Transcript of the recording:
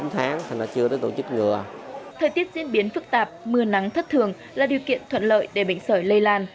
thời tiết diễn biến phức tạp mưa nắng thất thường là điều kiện thuận lợi để bệnh sởi lây lan